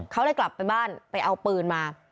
เขาเลยกลับไปบ้านไปเอาปืนมา